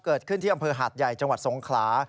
เกิดขึ้นที่อำเภอหาดใหญ่จังหวัดสงขลา